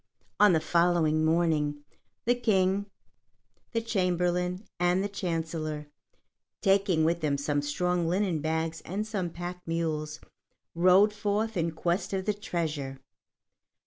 On the following morning, the King, the Chamberlain, and the Chancellor, taking with them some strong linen bags and some pack mules, rode forth in quest of the treasure.